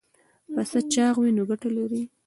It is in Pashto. پسه چاغ وي نو ګټه لري.